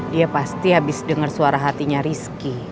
dia pasti abis denger suara hatinya rizky